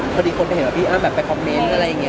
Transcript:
พอดีคนไปเห็นว่าพี่อ้ำแบบไปคอมเมนต์อะไรอย่างนี้